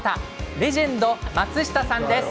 レジェンド松下さんです。